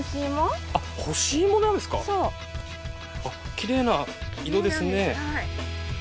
きれいな色ですね。